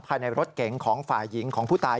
ภายในรถเก๋งของฝ่ายหญิงของผู้ตาย